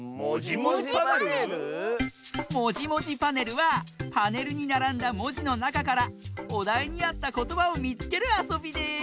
「もじもじパネル」はパネルにならんだもじのなかからおだいにあったことばをみつけるあそびです！